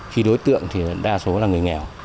khi đối tượng thì đa số là người nghèo